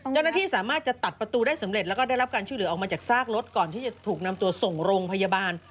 เจ้าหน้าที่สามารถจะตัดประตูได้สำเร็จแล้วก็ได้รับการช่วยเหลือออกมาจากซากรถก่อนที่จะถูกนำตัวส่งโรงพยาบาล